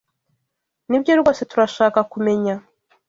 Nibyo rwose turashaka kumenya.